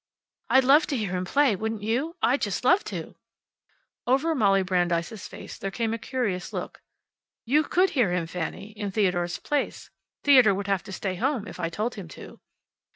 "I'd love to hear him play, wouldn't you? I'd just love to." Over Molly Brandeis's face there came a curious look. "You could hear him, Fanny, in Theodore's place. Theodore would have to stay home if I told him to."